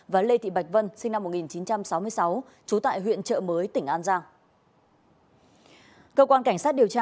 và lê thị bạch vân sinh năm một nghìn chín trăm sáu mươi sáu trú tại huyện trợ bình